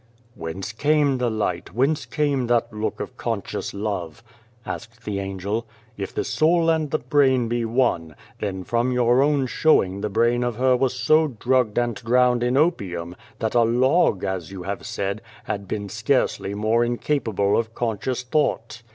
" Whence came the light, whence came that look of conscious love ?" asked the Angel. "If the soul and the brain be one, then from your own showing the brain of her was so drugged and drowned in opium that a log, as you have said, had been scarcely more incapable of conscious thought."